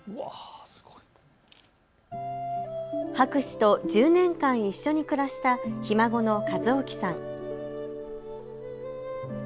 博士と１０年間一緒に暮らしたひ孫の一おきさん。